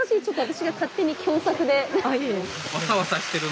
ちょっと私が勝手に共作で。